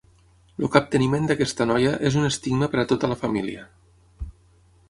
El capteniment d'aquesta noia és un estigma per a tota la família.